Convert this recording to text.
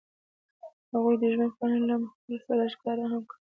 هغوی د ژمنې په بڼه لمحه سره ښکاره هم کړه.